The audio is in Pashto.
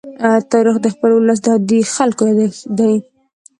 تاریخ د خپل ولس د عادي خلکو يادښت دی.